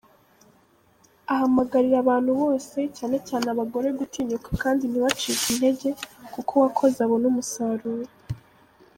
Ahamagarira abantu bose, cyane cyane abagore gutinyuka kandi ntibacike integer, kuko uwakoze abona umusaruro.